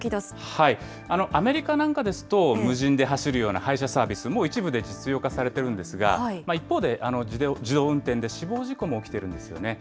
はい、アメリカかなんかですと、無人で走るような配車サービスも一部で実用化されているんですが、一方で、自動運転で死亡事故も起きてるんですよね。